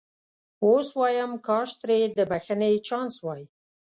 اوس وایم کاش ترې د بخښنې چانس وای.